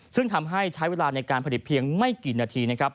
ซึ่งทำให้ใช้เวลาในการผลิตเพียงไม่กี่นาทีนะครับ